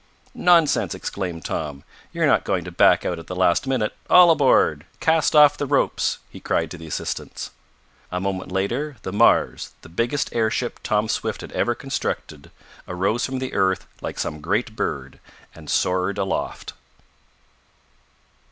"Nonsense!" exclaimed Tom. "You're not going to back out at the last minute. All aboard! Cast off the ropes!" he cried to the assistants. A moment later the Mars, the biggest airship Tom Swift had ever constructed, arose from the earth like some great bird, and soared aloft.